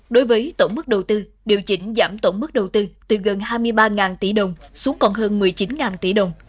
đối với tổng mức đầu tư điều chỉnh giảm tổng mức đầu tư từ gần hai mươi ba tỷ đồng xuống còn hơn một mươi chín tỷ đồng